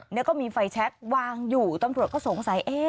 แล้วก็มีไฟแชควางอยู่ตำรวจก็สงสัย